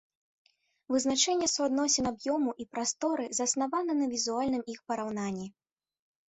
Вызначэнне суадносін аб'ёму і прасторы заснаваны на візуальным іх параўнанні.